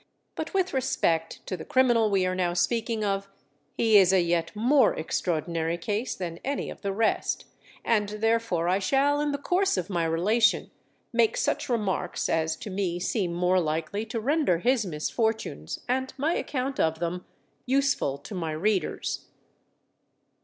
But with respect to the criminal we are now speaking of, he is a yet more extraordinary case than any of the rest; and therefore I shall in the course of my relation, make such remarks as to me seem more likely to render his misfortunes, and my account of them, useful to my readers.